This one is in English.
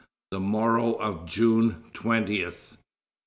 THE MORROW OF JUNE TWENTIETH.